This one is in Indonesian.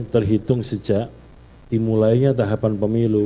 terhitung sejak dimulainya tahapan pemilu